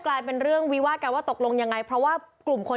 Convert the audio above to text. กลายเป็นเรื่องวิวาดกันว่าตกลงยังไงเพราะว่ากลุ่มคน